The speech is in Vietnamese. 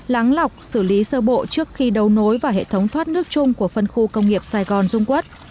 lắng lọc xử lý sơ bộ trước khi đấu nối vào hệ thống thoát nước chung của phân khu công nghiệp sài gòn dung quốc